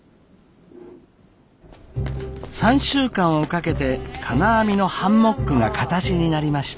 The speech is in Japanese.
３週間をかけて金網のハンモックが形になりました。